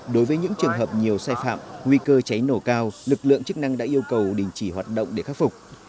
đối với những trường hợp nhiều sai phạm nguy cơ cháy nổ cao lực lượng chức năng đã yêu cầu đình chỉ hoạt động để khắc phục